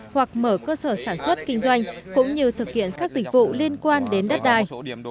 hoặc mở cơ sở sản xuất kinh doanh cũng như thực hiện các dịch vụ liên quan đến đất đai